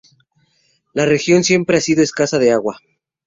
La región siempre ha sido escasa de agua.